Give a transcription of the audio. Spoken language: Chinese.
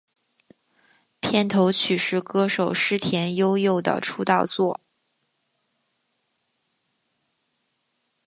片头曲是歌手矢田悠佑的出道作。